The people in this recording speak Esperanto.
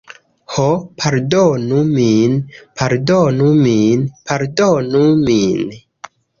"Ho, pardonu min. Pardonu min. Pardonu min."